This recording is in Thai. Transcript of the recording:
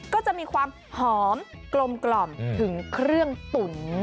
ก็จะมีความหอมกลมถึงเครื่องตุ๋น